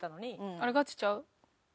あれガチちゃう？